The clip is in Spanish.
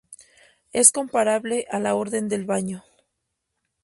Es comparable a la Orden del Baño.